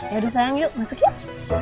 yaudah sayang yuk masuk yuk